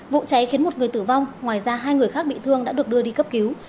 vụ cháy khiến một người tử vong ngoài ra hai người khác bị thương đã được đưa đi cấp cứu